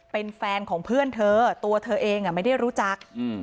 เป็นแฟนของเพื่อนเธอตัวเธอเองไม่ได้รู้จัก